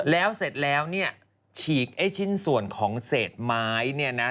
แล้วเสร็จแล้วเนี่ยฉีกไอ้ชิ้นส่วนของเศษไม้เนี่ยนะ